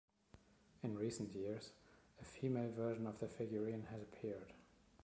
In recent years, a female version of the figurine has appeared.